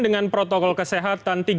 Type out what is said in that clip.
dengan protokol kesehatan